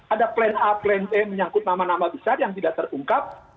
ada plan a plan c menyangkut nama nama besar yang tidak terungkap